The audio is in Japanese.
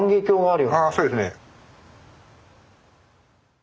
ああそうですね。